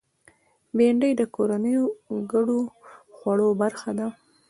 بېنډۍ د کورنیو ګډو خوړو برخه ده